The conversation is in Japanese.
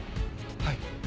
はい。